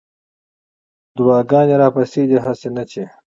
دعاګانې راپسې دي هسې نه چې